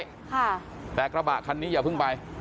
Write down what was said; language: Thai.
ค่ะแต่กระบะคันนี้อย่าเพิ่งไป